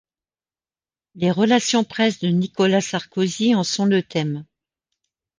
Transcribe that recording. Les relations presse de Nicolas Sarkozy en sont le thème.